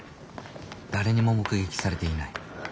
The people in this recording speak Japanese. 誰にも目撃されていない。